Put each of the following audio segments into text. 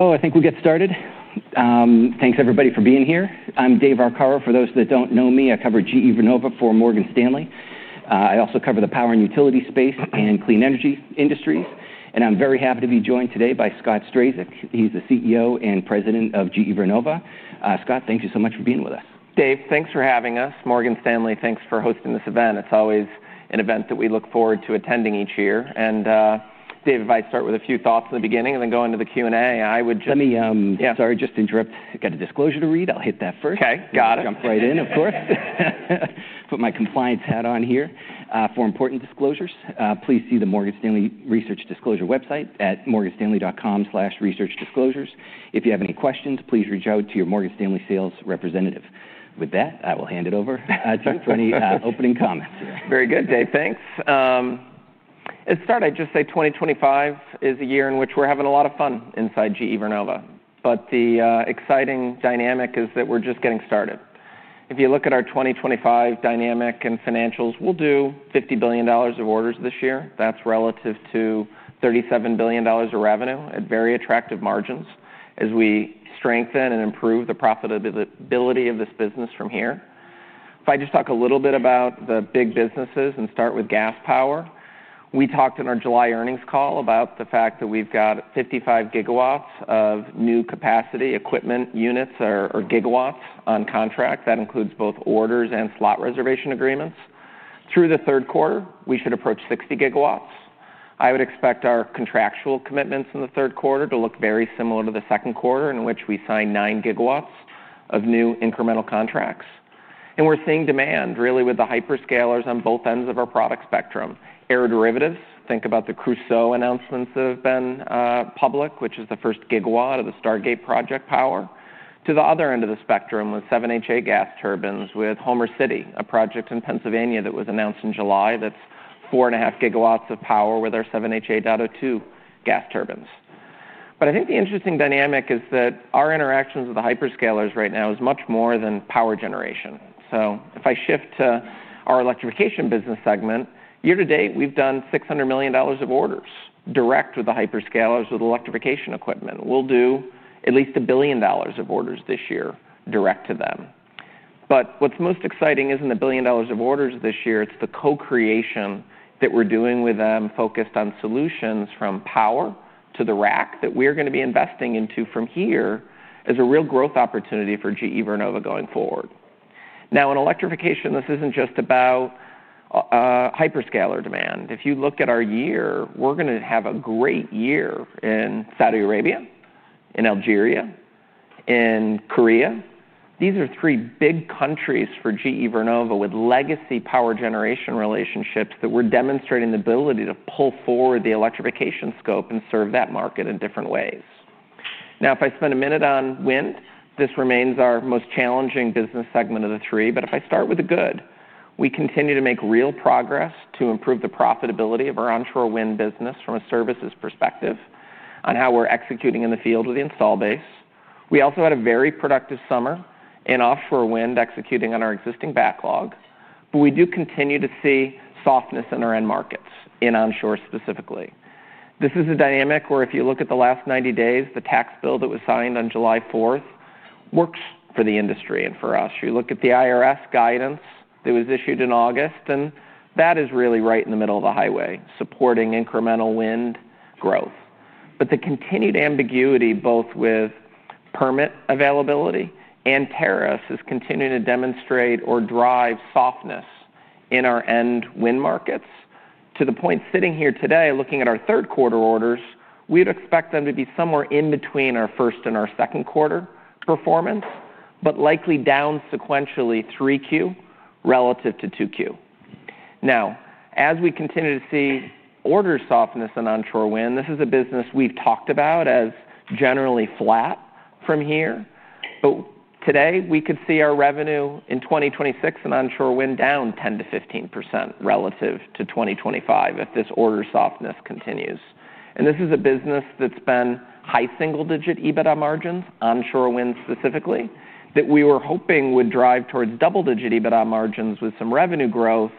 Thank you, everybody, for being here. I'm Dave Arcaro. For those that don't know me, I cover GE Vernova for Morgan Stanley. I also cover the power and utility space and clean energy industries. I'm very happy to be joined today by Scott Strazik. He's the CEO and President of GE Vernova. Scott, thank you so much for being with us. Dave, thanks for having us. Morgan Stanley, thanks for hosting this event. It's always an event that we look forward to attending each year. Dave, if I start with a few thoughts in the beginning and then go into the Q&A, I would just Sorry, just interrupt. I've got a disclosure to read. I'll hit that first. OK, got it. Jump right in, of course. Put my compliance hat on here. For important disclosures, please see the Morgan Stanley Research Disclosure website at morganstanley.com/researchdisclosures. If you have any questions, please reach out to your Morgan Stanley sales representative. With that, I will hand it over to you for any opening comments. Very good, Dave. Thanks. To start, I'd just say 2025 is a year in which we're having a lot of fun inside GE Vernova. The exciting dynamic is that we're just getting started. If you look at our 2025 dynamic and financials, we'll do $50 billion of orders this year. That's relative to $37 billion of revenue at very attractive margins as we strengthen and improve the profitability of this business from here. If I just talk a little bit about the big businesses and start with gas power, we talked in our July earnings call about the fact that we've got 55 GW of new capacity equipment units, or gigawatts, on contract. That includes both orders and slot reservation agreements. Through the third quarter, we should approach 60 GW. I would expect our contractual commitments in the third quarter to look very similar to the second quarter, in which we signed 9 GW of new incremental contracts. We're seeing demand, really, with the hyperscalers on both ends of our product spectrum. Air derivatives, think about the Crusoe announcements that have been public, which is the first gigawatt of the Stargate project power. To the other end of the spectrum, with 7HA gas turbines, with Homer City, a project in Pennsylvania that was announced in July that's 4.5 GW of power with our 7HA Data 2 gas turbines. I think the interesting dynamic is that our interactions with the hyperscalers right now are much more than power generation. If I shift to our electrification business segment, year to date, we've done $600 million of orders direct with the hyperscalers with electrification equipment. We'll do at least $1 billion of orders this year direct to them. What's most exciting isn't the $1 billion of orders this year. It's the co-creation that we're doing with them focused on solutions from power to the rack that we are going to be investing into from here as a real growth opportunity for GE Vernova going forward. In electrification, this isn't just about hyperscaler demand. If you look at our year, we're going to have a great year in Saudi Arabia, in Algeria, in Korea. These are three big countries for GE Vernova with legacy power generation relationships that we're demonstrating the ability to pull forward the electrification scope and serve that market in different ways. If I spend a minute on wind, this remains our most challenging business segment of the three. If I start with the good, we continue to make real progress to improve the profitability of our onshore wind business from a services perspective on how we're executing in the field with the install base. We also had a very productive summer in offshore wind executing on our existing backlog. We do continue to see softness in our end markets in onshore specifically. This is a dynamic where, if you look at the last 90 days, the tax bill that was signed on July 4th works for the industry and for us. You look at the IRS guidance that was issued in August, and that is really right in the middle of the highway supporting incremental wind growth. The continued ambiguity, both with permit availability and tariffs, is continuing to demonstrate or drive softness in our end wind markets. To the point, sitting here today, looking at our third quarter orders, we would expect them to be somewhere in between our first and our second quarter performance, but likely down sequentially 3Q relative to 2Q. As we continue to see order softness in onshore wind, this is a business we've talked about as generally flat from here. Today, we could see our revenue in 2026 in onshore wind down 10%-15% relative to 2025 if this order softness continues. This is a business that's been high single-digit EBITDA margins, onshore wind specifically, that we were hoping would drive towards double-digit EBITDA margins with some revenue growth.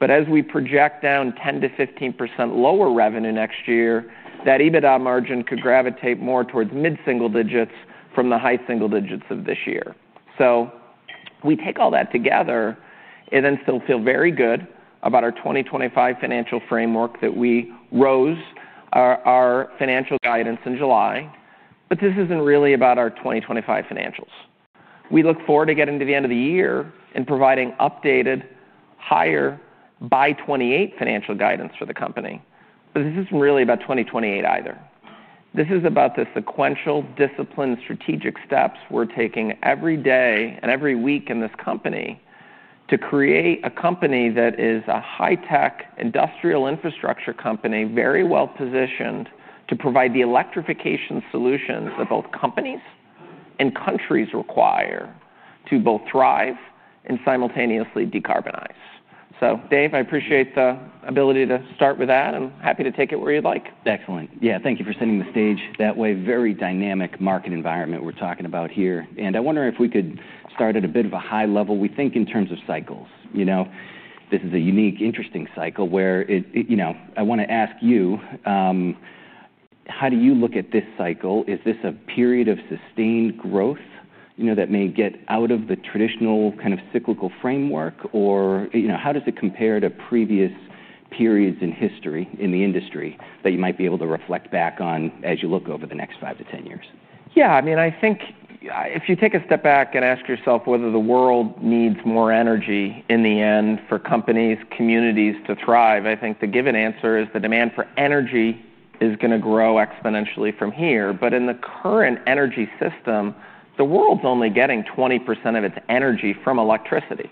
As we project down 10%-15% lower revenue next year, that EBITDA margin could gravitate more towards mid-single digits from the high single digits of this year. We take all that together, and still feel very good about our 2025 financial framework that we rose our financial guidance in July. This isn't really about our 2025 financials. We look forward to getting to the end of the year and providing updated higher by 2028 financial guidance for the company. This isn't really about 2028 either. This is about the sequential disciplined strategic steps we're taking every day and every week in this company to create a company that is a high-tech industrial infrastructure company, very well positioned to provide the electrification solutions that both companies and countries require to both thrive and simultaneously decarbonize. Dave, I appreciate the ability to start with that. I'm happy to take it where you'd like. Excellent. Thank you for setting the stage that way. Very dynamic market environment we're talking about here. I wonder if we could start at a bit of a high level. We think in terms of cycles. This is a unique, interesting cycle where I want to ask you, how do you look at this cycle? Is this a period of sustained growth that may get out of the traditional kind of cyclical framework? How does it compare to previous periods in history in the industry that you might be able to reflect back on as you look over the next 5 to 10 years? Yeah, I mean, I think if you take a step back and ask yourself whether the world needs more energy in the end for companies, communities to thrive, I think the given answer is the demand for energy is going to grow exponentially from here. In the current energy system, the world's only getting 20% of its energy from electricity.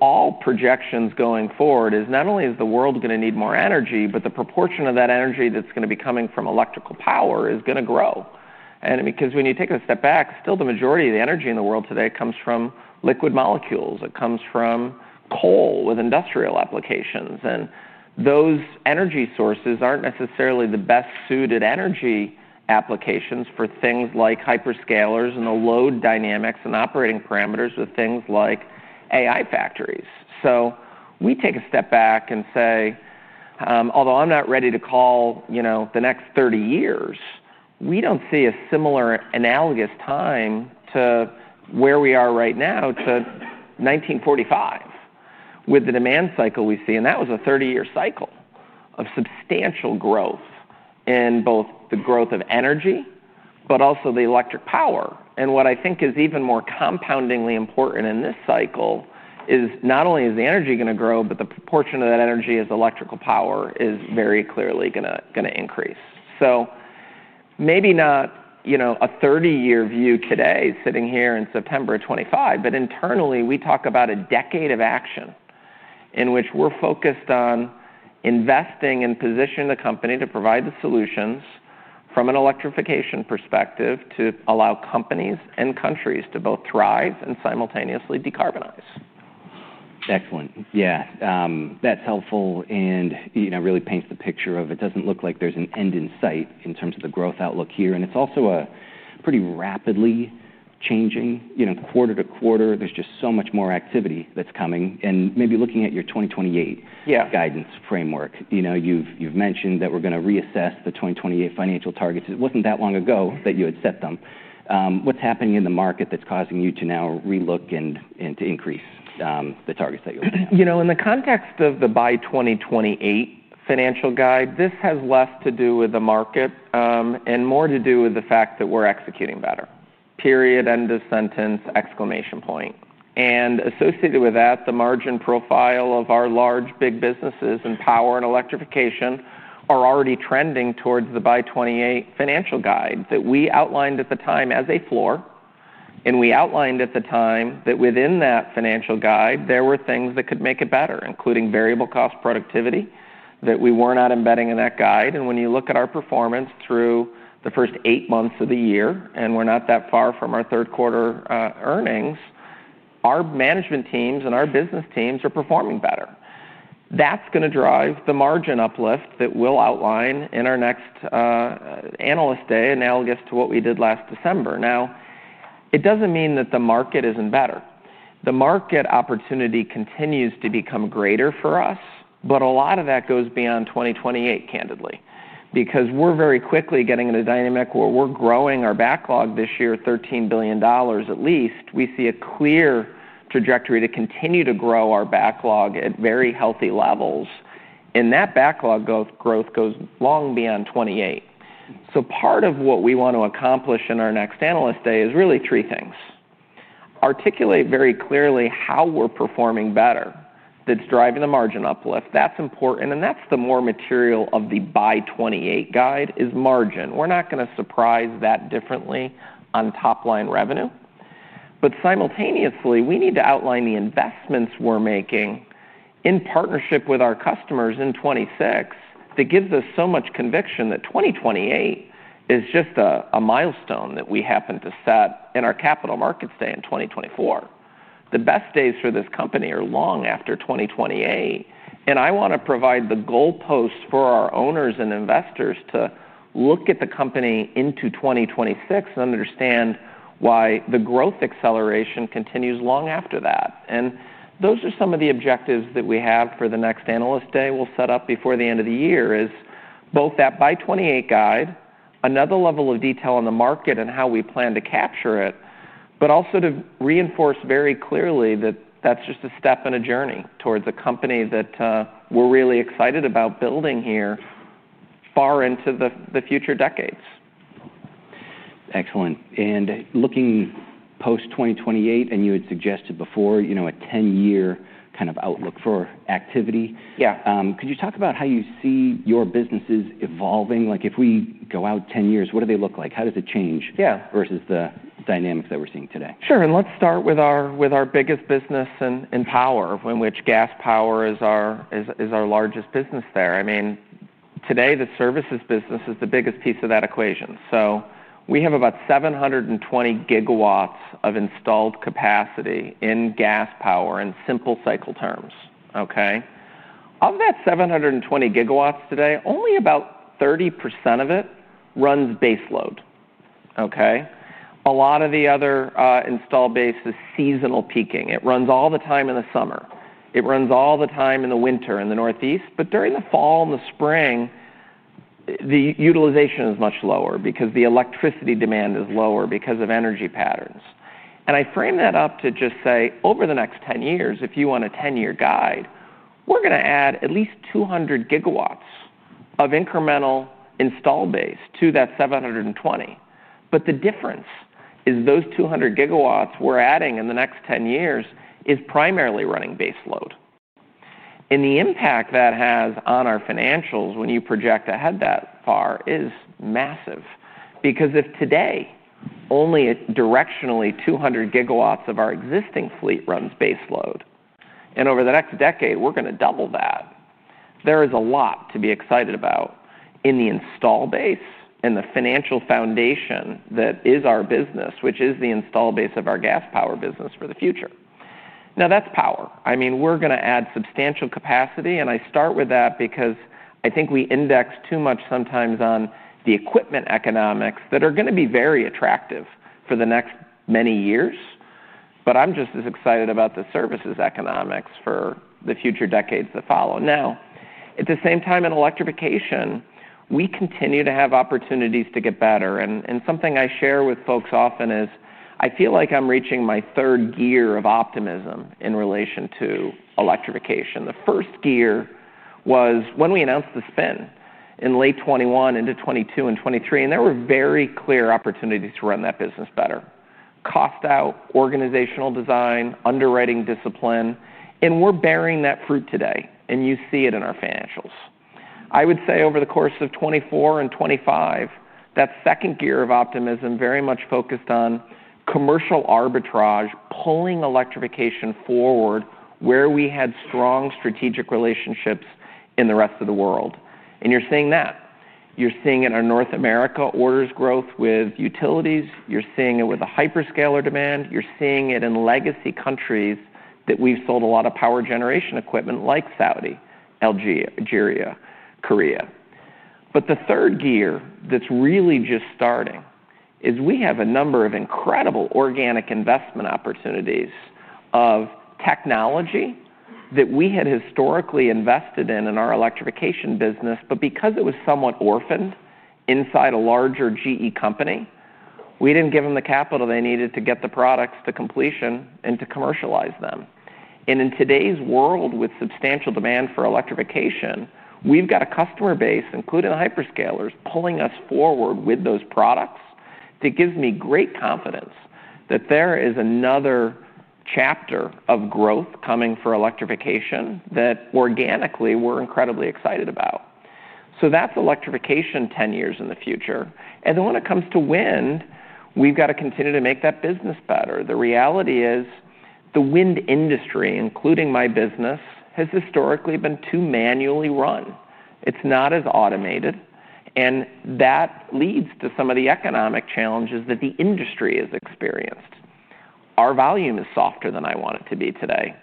All projections going forward is not only is the world going to need more energy, but the proportion of that energy that's going to be coming from electrical power is going to grow. When you take a step back, still the majority of the energy in the world today comes from liquid molecules. It comes from coal with industrial applications. Those energy sources aren't necessarily the best suited energy applications for things like hyperscalers and the load dynamics and operating parameters of things like AI factories. We take a step back and say, although I'm not ready to call, you know, the next 30 years, we don't see a similar analogous time to where we are right now to 1945 with the demand cycle we see. That was a 30-year cycle of substantial growth in both the growth of energy, but also the electric power. What I think is even more compoundingly important in this cycle is not only is the energy going to grow, but the proportion of that energy as electrical power is very clearly going to increase. Maybe not, you know, a 30-year view today sitting here in September of 2025, but internally, we talk about a decade of action in which we're focused on investing and positioning the company to provide the solutions from an electrification perspective to allow companies and countries to both thrive and simultaneously decarbonize. Excellent. Yeah, that's helpful. You know, it really paints the picture of it doesn't look like there's an end in sight in terms of the growth outlook here. It's also a pretty rapidly changing, you know, quarter to quarter. There's just so much more activity that's coming. Maybe looking at your 2028 guidance framework, you know, you've mentioned that we're going to reassess the 2028 financial targets. It wasn't that long ago that you had set them. What's happening in the market that's causing you to now relook and to increase the targets that you're looking at? You know, in the context of the by 2028 financial guide, this has less to do with the market and more to do with the fact that we're executing better. Period, end of sentence, exclamation point. Associated with that, the margin profile of our large big businesses in power and electrification are already trending towards the by 2028 financial guide that we outlined at the time as a floor. We outlined at the time that within that financial guide, there were things that could make it better, including variable cost productivity, that we were not embedding in that guide. When you look at our performance through the first eight months of the year, and we're not that far from our third quarter earnings, our management teams and our business teams are performing better. That's going to drive the margin uplift that we'll outline in our next Analyst Day, analogous to what we did last December. It doesn't mean that the market isn't better. The market opportunity continues to become greater for us. A lot of that goes beyond 2028, candidly, because we're very quickly getting in a dynamic where we're growing our backlog this year, $13 billion at least. We see a clear trajectory to continue to grow our backlog at very healthy levels. That backlog growth goes long beyond 2028. Part of what we want to accomplish in our next analyst day is really three things. Articulate very clearly how we're performing better that's driving the margin uplift. That's important. The more material of the by 2028 guide is margin. We're not going to surprise that differently on top line revenue. Simultaneously, we need to outline the investments we're making in partnership with our customers in 2026. That gives us so much conviction that 2028 is just a milestone that we happen to set in our capital markets day in 2024. The best days for this company are long after 2028. I want to provide the goalposts for our owners and investors to look at the company into 2026 and understand why the growth acceleration continues long after that. Those are some of the objectives that we have for the next analyst day we'll set up before the end of the year: both that by 2028 guide, another level of detail on the market and how we plan to capture it, but also to reinforce very clearly that that's just a step in a journey towards a company that we're really excited about building here far into the future decades. Excellent. Looking post-2028, you had suggested before a 10-year kind of outlook for activity. Yeah. Could you talk about how you see your businesses evolving? If we go out 10 years, what do they look like? How does it change versus the dynamics that we're seeing today? Sure. Let's start with our biggest business in power, in which gas power is our largest business there. Today, the services business is the biggest piece of that equation. We have about 720 GW of installed capacity in gas power in simple cycle terms. Of that 720 GW today, only about 30% of it runs baseload. A lot of the other install base is seasonal peaking. It runs all the time in the summer. It runs all the time in the winter in the Northeast. During the fall and the spring, the utilization is much lower because the electricity demand is lower because of energy patterns. I frame that up to just say, over the next 10 years, if you want a 10-year guide, we're going to add at least 200 GW of incremental install base to that 720. The difference is those 200 GW we're adding in the next 10 years is primarily running baseload. The impact that has on our financials when you project ahead that far is massive. If today only directionally 200 GW of our existing fleet runs baseload, and over the next decade, we're going to double that, there is a lot to be excited about in the install base and the financial foundation that is our business, which is the install base of our gas power business for the future. That's power. We're going to add substantial capacity. I start with that because I think we index too much sometimes on the equipment economics that are going to be very attractive for the next many years. I'm just as excited about the services economics for the future decades that follow. At the same time, in electrification, we continue to have opportunities to get better. Something I share with folks often is I feel like I'm reaching my third gear of optimism in relation to electrification. The first gear was when we announced the spin in late 2021 into 2022 and 2023. There were very clear opportunities to run that business better. Cost out, organizational design, underwriting discipline. We're bearing that fruit today. You see it in our financials. Over the course of 2024 and 2025, that second gear of optimism very much focused on commercial arbitrage, pulling electrification forward where we had strong strategic relationships in the rest of the world. You're seeing that. You're seeing it in our North America orders growth with utilities. You're seeing it with the hyperscaler demand. You're seeing it in legacy countries that we've sold a lot of power generation equipment like Saudi, Algeria, Korea. The third gear that's really just starting is we have a number of incredible organic investment opportunities of technology that we had historically invested in in our electrification business. Because it was somewhat orphaned inside a larger GE company, we didn't give them the capital they needed to get the products to completion and to commercialize them. In today's world with substantial demand for electrification, we've got a customer base, including hyperscalers, pulling us forward with those products. That gives me great confidence that there is another chapter of growth coming for electrification that organically we're incredibly excited about. That's electrification 10 years in the future. When it comes to wind, we've got to continue to make that business better. The reality is the wind industry, including my business, has historically been too manually run. It's not as automated, and that leads to some of the economic challenges that the industry has experienced. Our volume is softer than I want it to be today.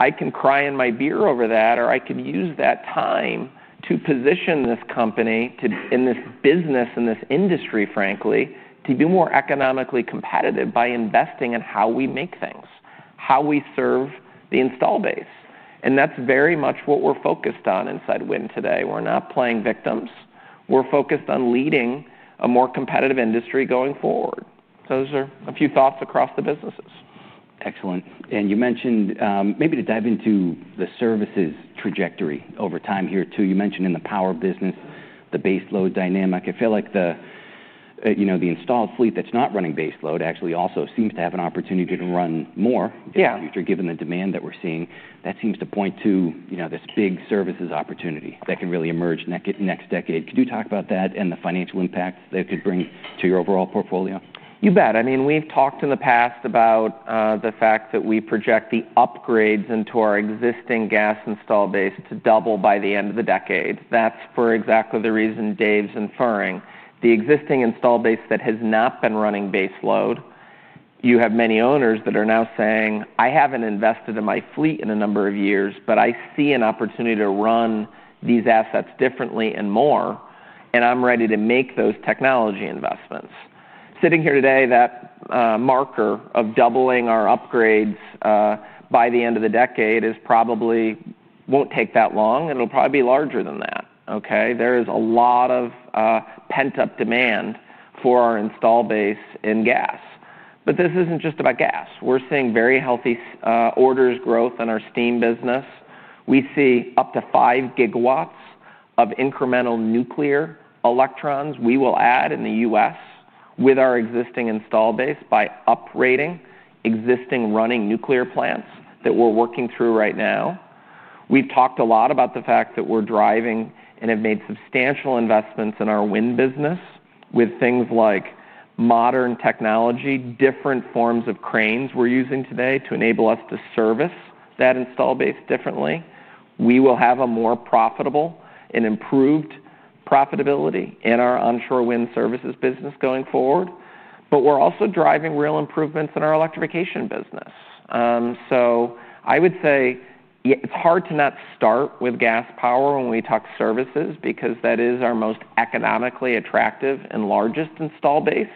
I can cry in my beer over that, or I can use that time to position this company in this business and this industry, frankly, to be more economically competitive by investing in how we make things, how we serve the install base. That's very much what we're focused on inside wind today. We're not playing victims. We're focused on leading a more competitive industry going forward. Those are a few thoughts across the businesses. Excellent. You mentioned, maybe to dive into the services trajectory over time here too. You mentioned in the power business, the baseload dynamic. I feel like the installed fleet that's not running baseload actually also seems to have an opportunity to run more in the future given the demand that we're seeing. That seems to point to this big services opportunity that can really emerge in the next decade. Could you talk about that and the financial impacts that it could bring to your overall portfolio? You bet. I mean, we've talked in the past about the fact that we project the upgrades into our existing gas install base to double by the end of the decade. That's for exactly the reason Dave's inferring. The existing install base that has not been running baseload, you have many owners that are now saying, I haven't invested in my fleet in a number of years, but I see an opportunity to run these assets differently and more. I'm ready to make those technology investments. Sitting here today, that marker of doubling our upgrades by the end of the decade probably won't take that long. It'll probably be larger than that. There is a lot of pent-up demand for our install base in gas. This isn't just about gas. We're seeing very healthy orders growth in our steam business. We see up to 5 GW of incremental nuclear electrons we will add in the U.S. with our existing install base by upgrading existing running nuclear plants that we're working through right now. We've talked a lot about the fact that we're driving and have made substantial investments in our wind business with things like modern technology, different forms of cranes we're using today to enable us to service that install base differently. We will have a more profitable and improved profitability in our onshore wind services business going forward. We're also driving real improvements in our electrification business. I would say it's hard to not start with gas power when we talk services because that is our most economically attractive and largest install base.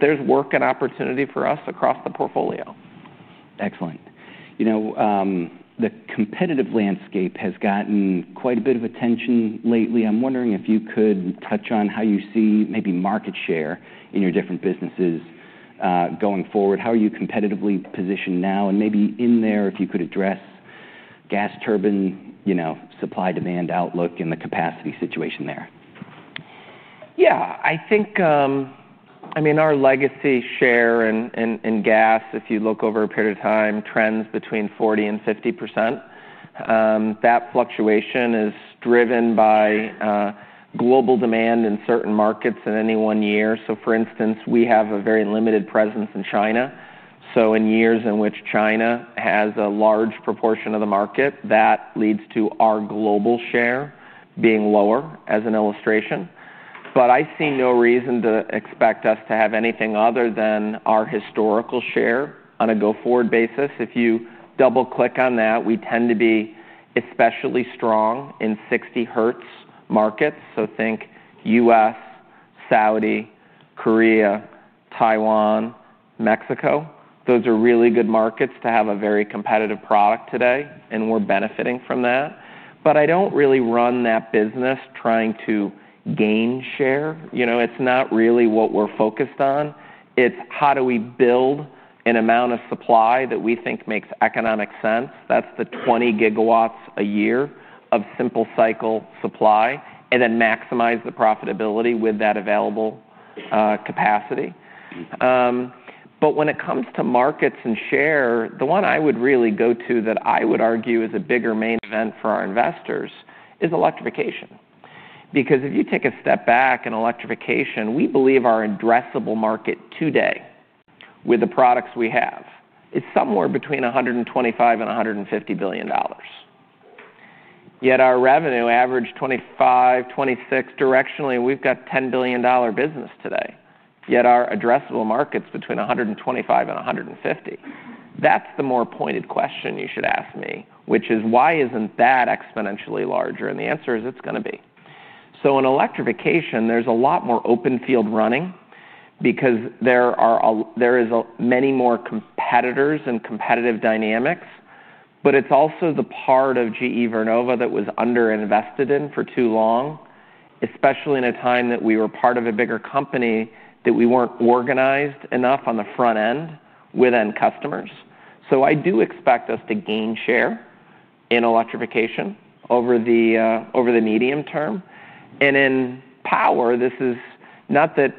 There's work and opportunity for us across the portfolio. Excellent. You know, the competitive landscape has gotten quite a bit of attention lately. I'm wondering if you could touch on how you see maybe market share in your different businesses going forward. How are you competitively positioned now? Maybe in there, if you could address gas turbine, you know, supply-demand outlook in the capacity situation there. Yeah, I think, I mean, our legacy share in gas, if you look over a period of time, trends between 40% and 50%. That fluctuation is driven by global demand in certain markets in any one year. For instance, we have a very limited presence in China. In years in which China has a large proportion of the market, that leads to our global share being lower as an illustration. I see no reason to expect us to have anything other than our historical share on a go-forward basis. If you double-click on that, we tend to be especially strong in 60 Hz markets. Think U.S., Saudi, Korea, Taiwan, Mexico. Those are really good markets to have a very competitive product today, and we're benefiting from that. I don't really run that business trying to gain share. It's not really what we're focused on. It's how do we build an amount of supply that we think makes economic sense? That's the 20 GW a year of simple cycle supply and then maximize the profitability with that available capacity. When it comes to markets and share, the one I would really go to that I would argue is a bigger main event for our investors is electrification. If you take a step back in electrification, we believe our addressable market today with the products we have is somewhere between $125 billion and $150 billion. Yet our revenue averages $25 billion to $26 billion directionally, and we've got a $10 billion business today. Yet our addressable market's between $125 billion and $150 billion. That's the more pointed question you should ask me, which is why isn't that exponentially larger? The answer is it's going to be. In electrification, there's a lot more open field running because there are many more competitors and competitive dynamics. It's also the part of GE Vernova that was underinvested in for too long, especially in a time that we were part of a bigger company that we weren't organized enough on the front end with end customers. I do expect us to gain share in electrification over the medium term. In power, this is not that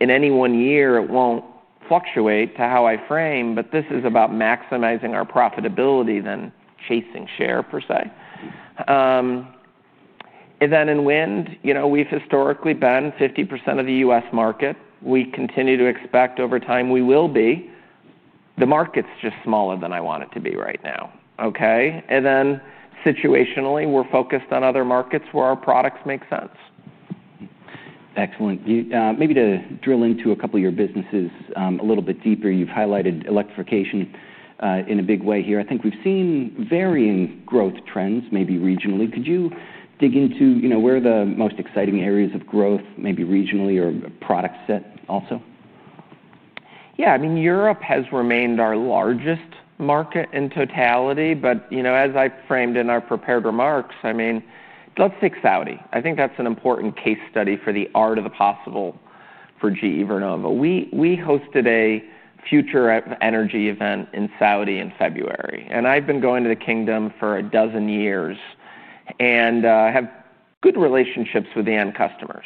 in any one year it won't fluctuate to how I frame, but this is about maximizing our profitability than chasing share per se. In wind, we've historically been 50% of the U.S. market. We continue to expect over time we will be. The market's just smaller than I want it to be right now. OK? Situationally, we're focused on other markets where our products make sense. Excellent. Maybe to drill into a couple of your businesses a little bit deeper, you've highlighted electrification in a big way here. I think we've seen varying growth trends, maybe regionally. Could you dig into where the most exciting areas of growth, maybe regionally or product set, also? Yeah, I mean, Europe has remained our largest market in totality. As I framed in our prepared remarks, let's take Saudi. I think that's an important case study for the art of the possible for GE Vernova. We hosted a future of energy event in Saudi in February. I've been going to the kingdom for a dozen years and have good relationships with the end customers.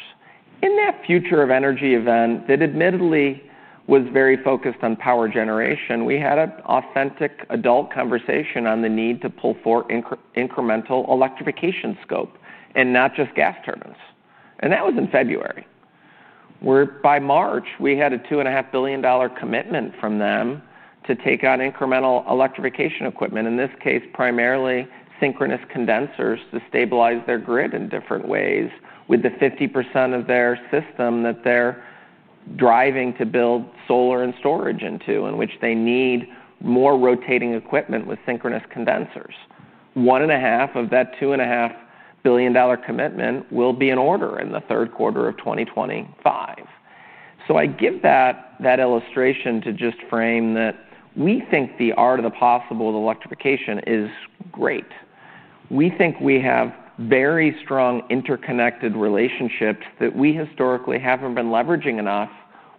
In that future of energy event that admittedly was very focused on power generation, we had an authentic adult conversation on the need to pull forward incremental electrification scope and not just gas turbines. That was in February, whereby March, we had a $2.5 billion commitment from them to take on incremental electrification equipment, in this case, primarily synchronous condensers to stabilize their grid in different ways with the 50% of their system that they're driving to build solar and storage into, in which they need more rotating equipment with synchronous condensers. $1.5 billion of that $2.5 billion commitment will be in order in the third quarter of 2025. I give that illustration to just frame that we think the art of the possible electrification is great. We think we have very strong interconnected relationships that we historically haven't been leveraging enough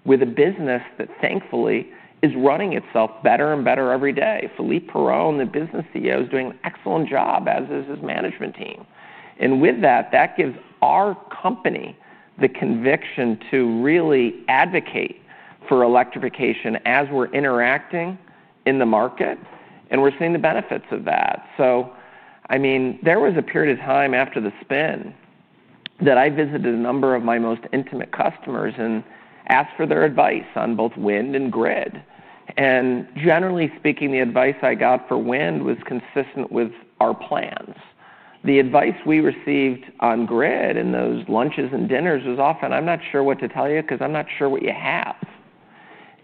with a business that thankfully is running itself better and better every day. Philippe Piron, the business CEO, is doing an excellent job, as is his management team. With that, that gives our company the conviction to really advocate for electrification as we're interacting in the market. We're seeing the benefits of that. There was a period of time after the spin that I visited a number of my most intimate customers and asked for their advice on both wind and grid. Generally speaking, the advice I got for wind was consistent with our plans. The advice we received on grid in those lunches and dinners was often, "I'm not sure what to tell you because I'm not sure what you have."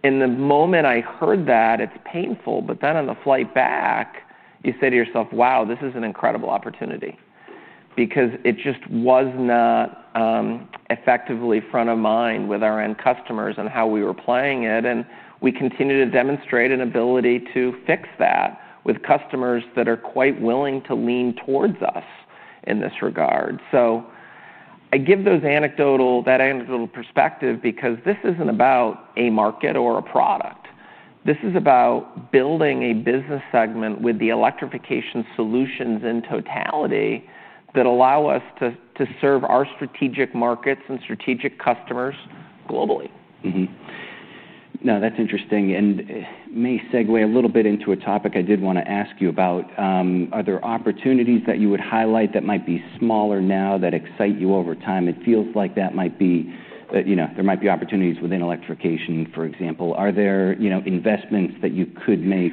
The moment I heard that, it's painful. On the flight back, you say to yourself, "Wow, this is an incredible opportunity." It just was not effectively front of mind with our end customers and how we were playing it. We continue to demonstrate an ability to fix that with customers that are quite willing to lean towards us in this regard. I give that anecdotal perspective because this isn't about a market or a product. This is about building a business segment with the electrification solutions in totality that allow us to serve our strategic markets and strategic customers globally. Now, that's interesting and may segue a little bit into a topic I did want to ask you about. Are there opportunities that you would highlight that might be smaller now that excite you over time? It feels like there might be opportunities within electrification, for example. Are there investments that you could make,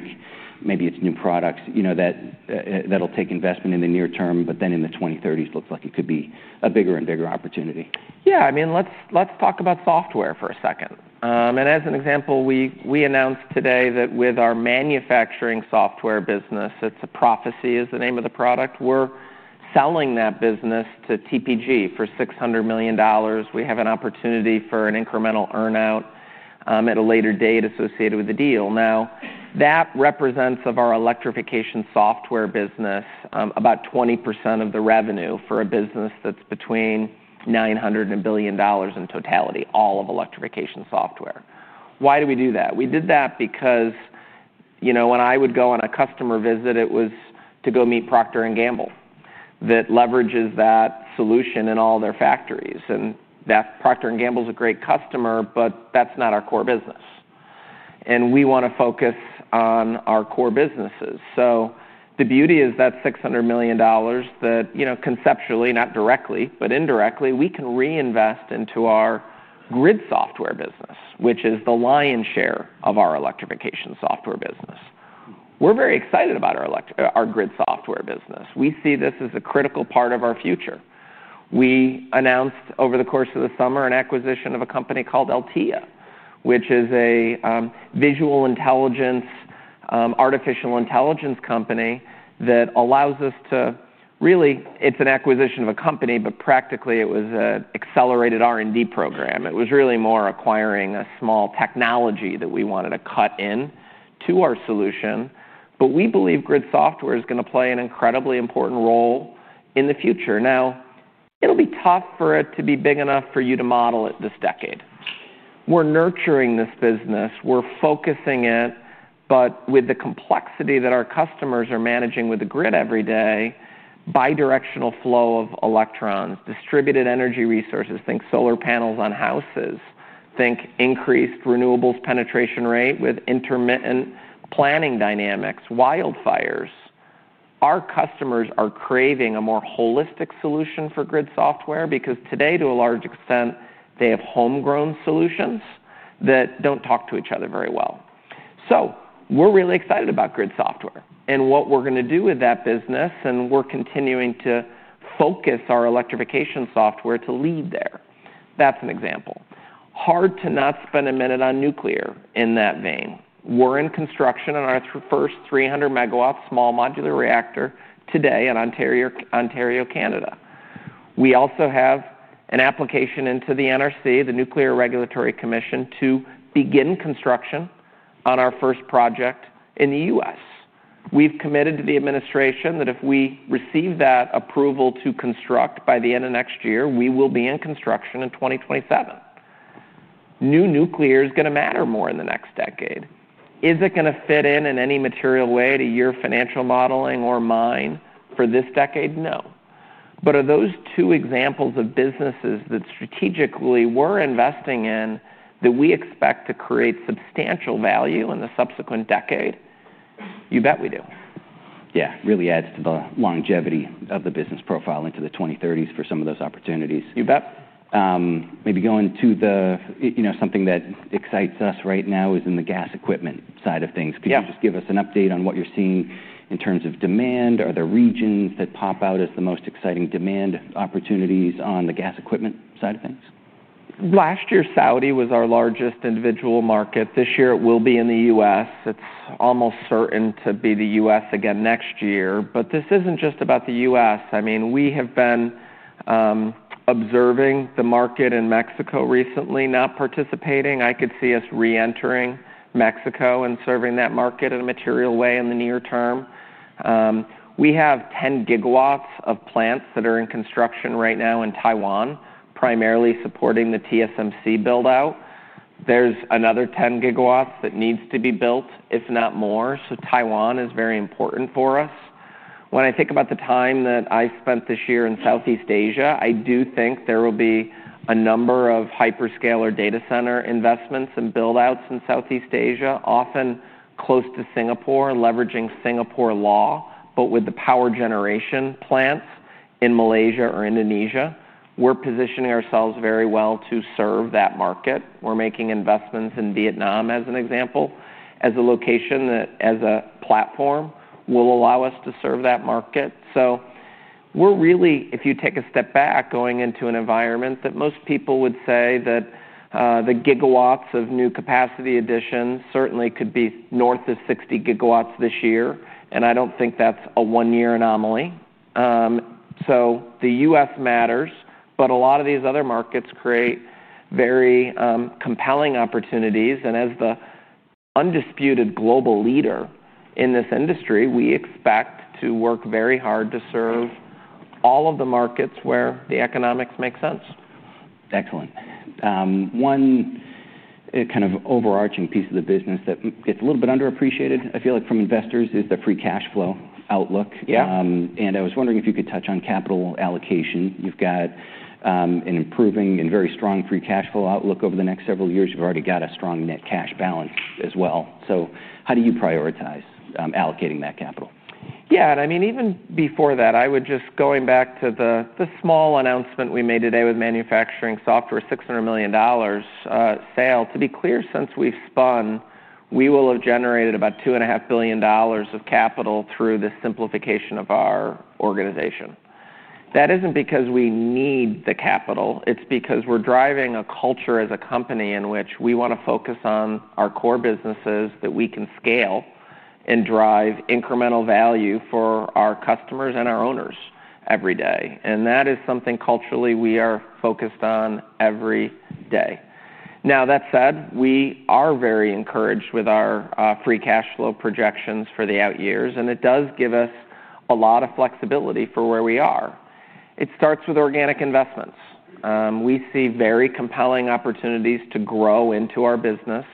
maybe it's new products that will take investment in the near term, but then in the 2030s, looks like it could be a bigger and bigger opportunity. Yeah, I mean, let's talk about software for a second. As an example, we announced today that with our manufacturing software business, it's Proficy, is the name of the product. We're selling that business to TPG for $600 million. We have an opportunity for an incremental earnout at a later date associated with the deal. That represents, of our electrification software business, about 20% of the revenue for a business that's between $900 million and $1 billion in totality, all of electrification software. Why do we do that? We did that because, you know, when I would go on a customer visit, it was to go meet Procter & Gamble that leverages that solution in all their factories. That Procter & Gamble is a great customer, but that's not our core business. We want to focus on our core businesses. The beauty is that $600 million that, you know, conceptually, not directly, but indirectly, we can reinvest into our grid software business, which is the lion's share of our electrification software business. We're very excited about our grid software business. We see this as a critical part of our future. We announced over the course of the summer an acquisition of a company called Alteia, which is a visual intelligence, artificial intelligence company that allows us to really, it's an acquisition of a company, but practically, it was an accelerated R&D program. It was really more acquiring a small technology that we wanted to cut into our solution. We believe grid software is going to play an incredibly important role in the future. Now, it'll be tough for it to be big enough for you to model it this decade. We're nurturing this business. We're focusing it, but with the complexity that our customers are managing with the grid every day, bidirectional flow of electrons, distributed energy resources, think solar panels on houses, think increased renewables penetration rate with intermittent planning dynamics, wildfires. Our customers are craving a more holistic solution for grid software because today, to a large extent, they have homegrown solutions that don't talk to each other very well. We're really excited about grid software and what we're going to do with that business. We're continuing to focus our electrification software to lead there. That's an example. Hard to not spend a minute on nuclear in that vein. We're in construction on our first 300 MW small modular reactor today in Ontario, Canada. We also have an application into the NRC, the Nuclear Regulatory Commission, to begin construction on our first project in the U.S. We've committed to the administration that if we receive that approval to construct by the end of next year, we will be in construction in 2027. New nuclear is going to matter more in the next decade. Is it going to fit in in any material way to your financial modeling or mine for this decade? No. Are those two examples of businesses that strategically we're investing in that we expect to create substantial value in the subsequent decade? You bet we do. Yeah, really adds to the longevity of the business profile into the 2030s for some of those opportunities. You bet. Maybe going to the, you know, something that excites us right now is in the gas equipment side of things. Could you just give us an update on what you're seeing in terms of demand? Are there regions that pop out as the most exciting demand opportunities on the gas equipment side of things? Last year, Saudi Arabia was our largest individual market. This year, it will be in the U.S. It's almost certain to be the U.S. again next year. This isn't just about the U.S. We have been observing the market in Mexico recently, not participating. I could see us re-entering Mexico and serving that market in a material way in the near term. We have 10 GW of plants that are in construction right now in Taiwan, primarily supporting the TSMC buildout. There's another 10 GW that needs to be built, if not more. Taiwan is very important for us. When I think about the time that I spent this year in Southeast Asia, I do think there will be a number of hyperscaler data center investments and buildouts in Southeast Asia, often close to Singapore, leveraging Singapore law, but with the power generation plants in Malaysia or Indonesia. We're positioning ourselves very well to serve that market. We're making investments in Vietnam, as an example, as a location that, as a platform, will allow us to serve that market. If you take a step back, we're going into an environment that most people would say that the gigawatts of new capacity addition certainly could be north of 60 GW this year. I don't think that's a one-year anomaly. The U.S. matters, but a lot of these other markets create very compelling opportunities. As the undisputed global leader in this industry, we expect to work very hard to serve all of the markets where the economics make sense. Excellent. One kind of overarching piece of the business that gets a little bit underappreciated, I feel like, from investors is the free cash flow outlook. Yeah. I was wondering if you could touch on capital allocation. You've got an improving and very strong free cash flow outlook over the next several years. You've already got a strong net cash balance as well. How do you prioritize allocating that capital? Yeah, and I mean, even before that, I would just go back to the small announcement we made today with manufacturing software, $600 million sale. To be clear, since we've spun, we will have generated about $2.5 billion of capital through the simplification of our organization. That isn't because we need the capital. It's because we're driving a culture as a company in which we want to focus on our core businesses that we can scale and drive incremental value for our customers and our owners every day. That is something culturally we are focused on every day. That said, we are very encouraged with our free cash flow projections for the out years. It does give us a lot of flexibility for where we are. It starts with organic investments. We see very compelling opportunities to grow into our business.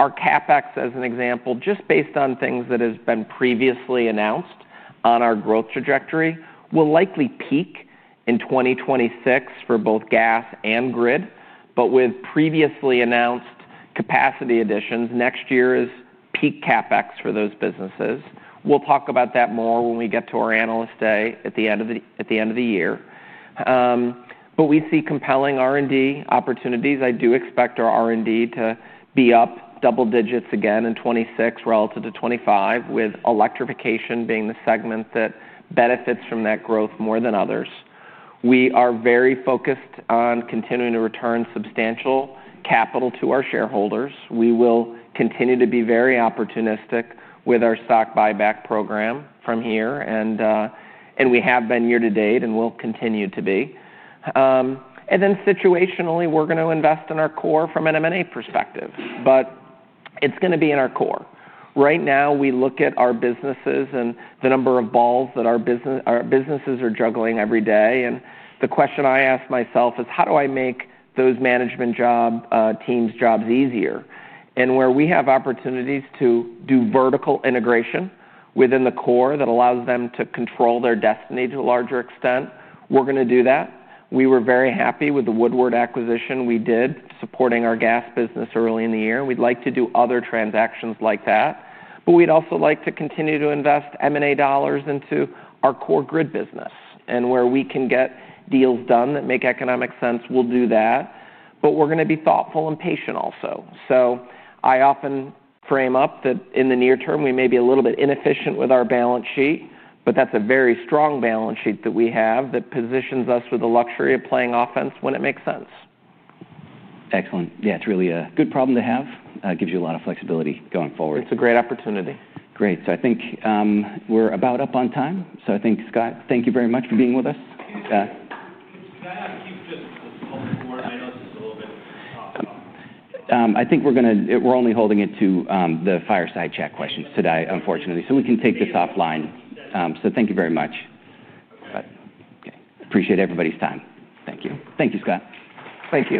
Our CapEx, as an example, just based on things that have been previously announced on our growth trajectory, will likely peak in 2026 for both gas and grid. With previously announced capacity additions, next year is peak CapEx for those businesses. We'll talk about that more when we get to our Analyst Day at the end of the year. We see compelling R&D opportunities. I do expect our R&D to be up double digits again in 2026 relative to 2025, with electrification being the segment that benefits from that growth more than others. We are very focused on continuing to return substantial capital to our shareholders. We will continue to be very opportunistic with our stock buyback program from here. We have been year to date and will continue to be. Situationally, we're going to invest in our core from an M&A perspective. It's going to be in our core. Right now, we look at our businesses and the number of balls that our businesses are juggling every day. The question I ask myself is, how do I make those management jobs, teams' jobs easier? Where we have opportunities to do vertical integration within the core that allows them to control their destiny to a larger extent, we're going to do that. We were very happy with the Woodward acquisition we did supporting our gas business early in the year. We'd like to do other transactions like that. We'd also like to continue to invest M&A dollars into our core grid business. Where we can get deals done that make economic sense, we'll do that. We're going to be thoughtful and patient also. I often frame up that in the near term, we may be a little bit inefficient with our balance sheet, but that's a very strong balance sheet that we have that positions us with the luxury of playing offense when it makes sense. Excellent. Yeah, it's really a good problem to have. It gives you a lot of flexibility going forward. It's a great opportunity. Great. I think we're about up on time. I think, Scott, thank you very much for being with us. Thanks, Scott. Thanks, Scott. Keep talking more items just a little bit. I think we're going to only hold it to the fireside chat questions today, unfortunately. We can take this offline. Thank you very much. Bye. Appreciate everybody's time. Thank you. Thank you, Scott. Thank you.